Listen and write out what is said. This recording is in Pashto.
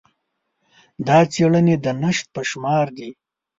دا څېړنې د نشت په شمار دي.